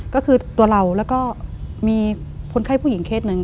ก็คือตัวเราแล้วก็มีคนไข้ผู้หญิงเคสหนึ่ง